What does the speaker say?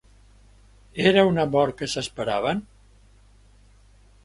Era una mort que s'esperaven?